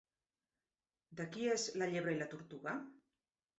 De qui és La llebre i la tortuga?